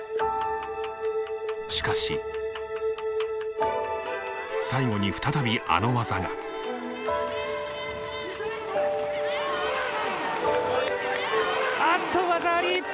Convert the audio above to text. しかし最後に再びあの技があっと技あり！